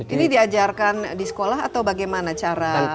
ini diajarkan di sekolah atau bagaimana cara